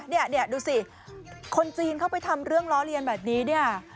เนี่ยดูสิคนจีนเข้าไปทำเรื่องล้อเลียนแบบนี้เนี่ย